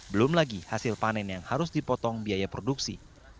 belum lagi hasil panen yang harus dipotong biaya produksi